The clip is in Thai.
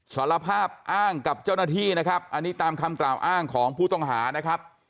สารภาพอ้างกับเจ้าหน้าที่นะครับอันนี้ตามคำกล่าวอ้างของผู้ต้องหานะครับ